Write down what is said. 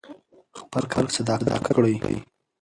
خپل کار په صداقت وکړئ.